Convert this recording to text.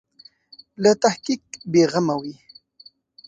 له تحقیق بې غمه وي.